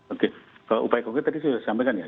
oke kalau upaya konkret tadi sudah saya sampaikan ya